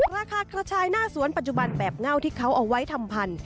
ราคากระชายหน้าสวนปัจจุบันแบบเง่าที่เขาเอาไว้ทำพันธุ